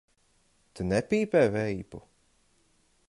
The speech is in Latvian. Tu nepīpē veipu?